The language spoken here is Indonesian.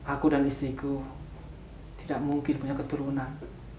aku dan istriku tidak mungkin punya keturunan